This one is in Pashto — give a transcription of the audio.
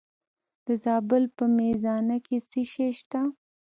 د زابل په میزانه کې څه شی شته؟